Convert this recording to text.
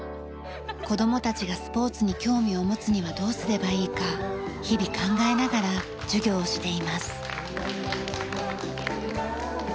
子供たちがスポーツに興味を持つにはどうすればいいか日々考えながら授業をしています。